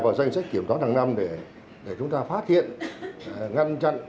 vào danh sách kiểm toán hàng năm để chúng ta phát hiện ngăn chặn